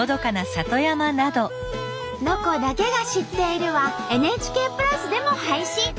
「ロコだけが知っている」はＮＨＫプラスでも配信！